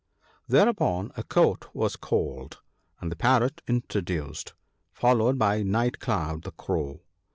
'Thereupon a Court was called, and the Parrot intro duced, followed by Night cloud the Crow.